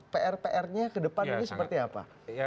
pr prnya ke depan ini seperti apa